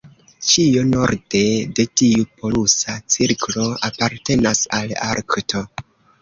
Ĉio norde de tiu polusa cirklo apartenas al Arkto.